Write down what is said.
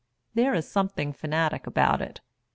There is something fanatic about it.